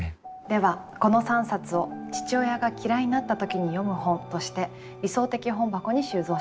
ではこの３冊を「父親が嫌いになった時に読む本」として理想的本箱に収蔵します。